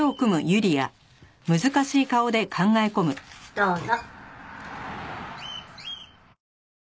どうぞ。